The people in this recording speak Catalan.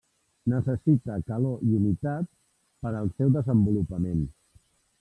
Necessita calor i humitat per al seu desenvolupament.